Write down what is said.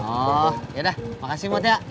oh ya udah makasih banget ya